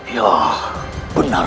ya benar itu